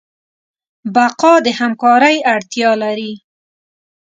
بقا د همکارۍ اړتیا لري.